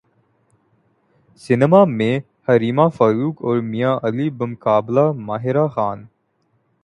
سینماں میں حریم فاروق اور مایا علی بمقابلہ ماہرہ خان